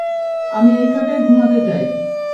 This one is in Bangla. আমি এই খাটে ঘুমাতে চাই।